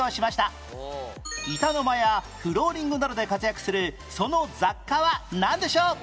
板の間やフローリングなどで活躍するその雑貨はなんでしょう？